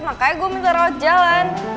makanya gue minta rawat jalan